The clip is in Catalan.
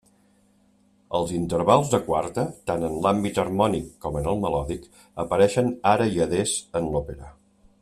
Els intervals de quarta —tant en l'àmbit harmònic com en el melòdic— apareixen ara i adés en l'òpera.